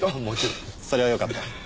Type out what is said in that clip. それはよかった。